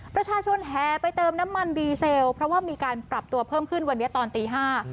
แห่ไปเติมน้ำมันดีเซลเพราะว่ามีการปรับตัวเพิ่มขึ้นวันนี้ตอนตีห้า